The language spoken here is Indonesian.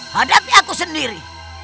hadapi aku sendiri